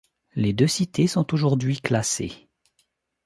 Les deux cités sont aujourd’hui classées.